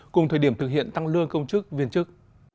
cùng thời điểm thực hiện tăng lương công chức viên chức